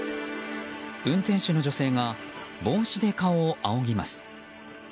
運転手の女性が帽子で顔を仰ぎます。